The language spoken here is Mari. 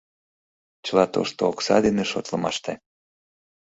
Чыла тошто окса дене шотлымаште.